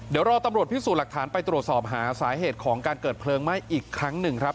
เดี๋ยวรอตำรวจพิสูจน์หลักฐานไปตรวจสอบหาสาเหตุของการเกิดเพลิงไหม้อีกครั้งหนึ่งครับ